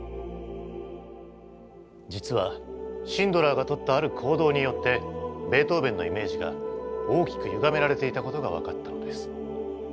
実はシンドラーがとったある行動によってベートーヴェンのイメージが大きくゆがめられていたことが分かったのです。